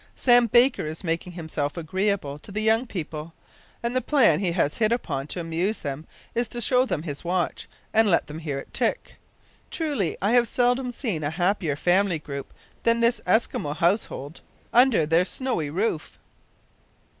Sam Baker is making himself agreeable to the young people, and the plan he has hit upon to amuse them is to show them his watch, and let them hear it tick. Truly, I have seldom seen a happier family group than this Eskimo household, under their snowy roof!